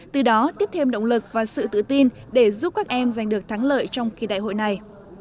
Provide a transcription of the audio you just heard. từ đó tiếp thêm động lực và sự tự tin để giúp các em giành được thắng lợi trong kỳ đại hội này